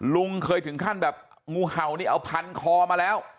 ลุงเคยถึงขั้นแบบงูเห่านี่เอาพันคอมาแล้ว